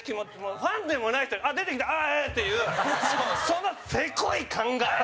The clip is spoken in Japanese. ファンでもない人に「出てきた！ああ！」っていうそのせこい考え